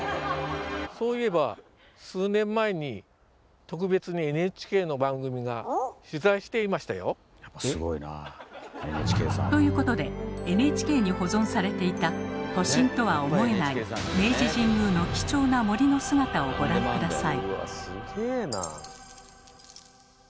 そういえば数年前にということでＮＨＫに保存されていた都心とは思えない明治神宮の貴重な森の姿をご覧下さい。